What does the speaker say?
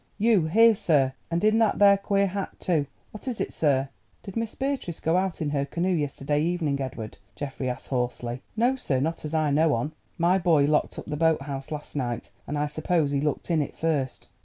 "You here, sir! and in that there queer hat, too. What is it, sir?" "Did Miss Beatrice go out in her canoe yesterday evening, Edward?" Geoffrey asked hoarsely. "No, sir; not as I know on. My boy locked up the boat house last night, and I suppose he looked in it first.